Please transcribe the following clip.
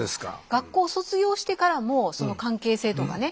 学校卒業してからもその関係性とかね